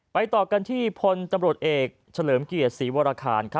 ต่อกันที่พลตำรวจเอกเฉลิมเกียรติศรีวรคาร